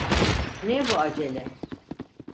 Ne bu acele?